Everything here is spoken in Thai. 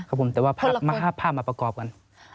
ผมแต่ว่าภาพมาประกอบกัน